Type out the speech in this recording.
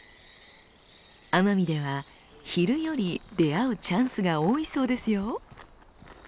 奄美では昼より出会うチャンスが多いそうですよ。